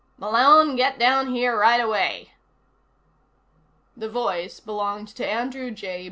"Malone, get down here right away!" The voice belonged to Andrew J.